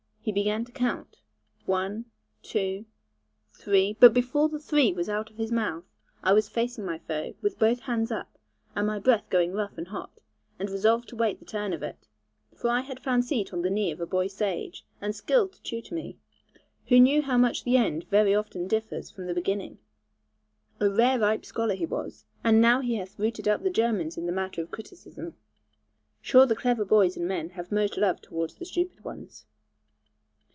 He began to count, one, too, three but before the 'three' was out of his mouth, I was facing my foe, with both hands up, and my breath going rough and hot, and resolved to wait the turn of it. For I had found seat on the knee of a boy sage and skilled to tutor me, who knew how much the end very often differs from the beginning. A rare ripe scholar he was; and now he hath routed up the Germans in the matter of criticism. Sure the clever boys and men have most love towards the stupid ones.